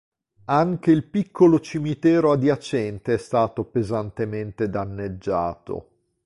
Anche il piccolo cimitero adiacente è stato pesantemente danneggiato.